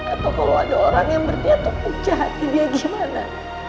atau kalau ada orang yang berdia tuh ujah hati dia gimana